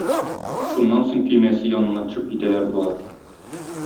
Шуннан соң көймәсе янына төшеп китәләр болар.